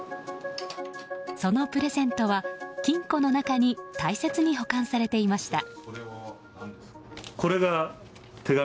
そのプレゼントは金庫の中に大切に保管されていました。